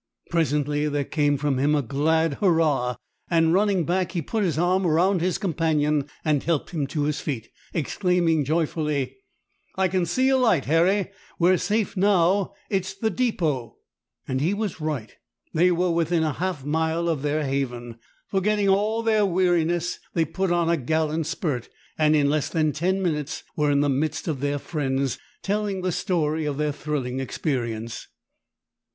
Presently there came from him a glad hurrah, and running back he put his arm around his companion, and helped him to his feet, exclaiming joyfully,— "I can see a light, Harry. We're safe now. It's the depot." And he was right. They were within half a mile of their haven. Forgetting all their weariness, they put on a gallant spurt, and in less than ten minutes were in the midst of their friends, telling the story of their thrilling experience.